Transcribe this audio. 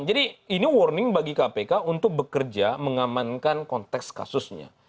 jadi ini warning bagi kpk untuk bekerja mengamankan konteks kasusnya